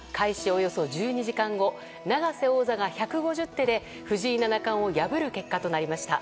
およそ１２時間後永瀬王座が１５０手で藤井七冠を破る結果となりました。